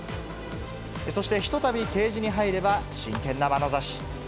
そしてひとたびケージに入れば、真剣なまなざし。